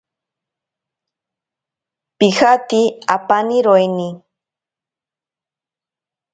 Pijate apaniroini.